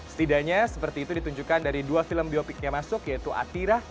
setidaknya seperti itu ditunjukkan dari dua film biopik yang masuk yaitu atira